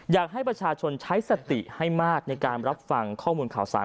อยากให้ประชาชนใช้สติให้มากในการรับฟังข้อมูลข่าวสาร